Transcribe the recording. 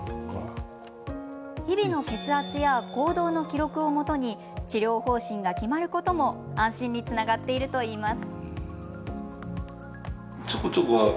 日々の血圧や行動の記録をもとに治療方針が決まることも安心につながっているといいます。